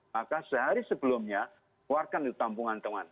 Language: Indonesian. maka sehari sebelumnya keluarkan itu tampungan teman